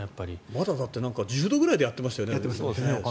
まだ１０度くらいでやってましたよね。